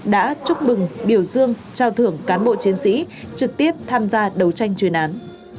đã chúc mừng biểu dương trao thưởng cán bộ chiến sĩ trực tiếp tham gia đấu tranh chuyên án